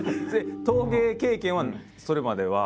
陶芸経験はそれまでは？